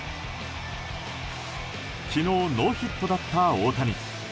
昨日、ノーヒットだった大谷。